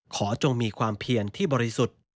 จงมีความเพียรที่บริสุทธิ์